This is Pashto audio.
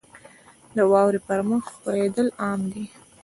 • د واورې پر مخ ښویېدل عام دي.